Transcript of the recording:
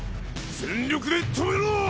全力で止めろ！